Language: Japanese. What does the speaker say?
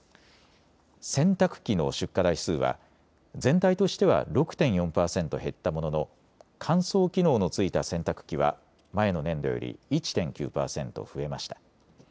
洗濯機の出荷台数は全体としては６．４％減ったものの乾燥機能のついた洗濯機は前の年度より１．９％増えました。